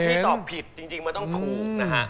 พี่ตอบผิดจริงมันต้องถูกนะฮะ